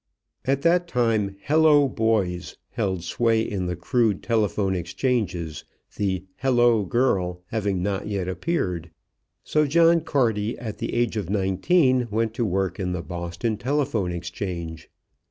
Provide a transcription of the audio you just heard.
At that time "hello boys" held sway in the crude telephone exchanges, the "hello girl" having not yet appeared. So John Carty at the age of nineteen went to work in the Boston telephone exchange.